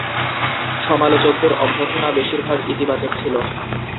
সমালোচকদের অভ্যর্থনা বেশিরভাগ ইতিবাচক ছিল।